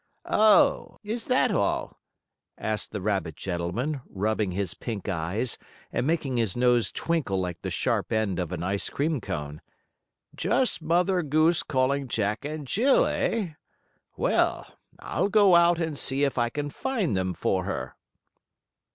"Oh! is that all?" asked the rabbit gentleman, rubbing his pink eyes and making his nose twinkle like the sharp end of an ice cream cone. "Just Mother Goose calling Jack and Jill; eh? Well, I'll go out and see if I can find them for her."